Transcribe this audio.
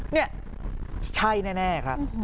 นี่ใช่แน่ครับ